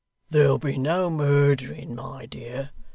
'There'll be no murdering, my dear.